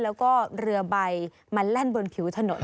แล้วก็เรือใบมาแล่นบนผิวถนน